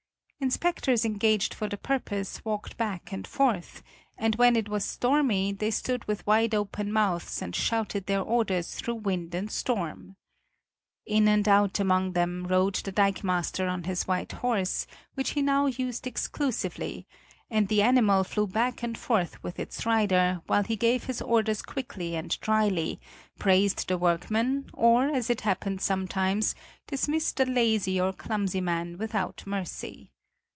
Inspectors engaged for the purpose walked back and forth, and when it was stormy, they stood with wide open mouths and shouted their orders through wind and storm. In and out among them rode the dikemaster on his white horse, which he now used exclusively, and the animal flew back and forth with its rider, while he gave his orders quickly and drily, praised the workmen, or, as it happened sometimes, dismissed a lazy or clumsy man without mercy.